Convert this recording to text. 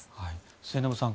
末延さん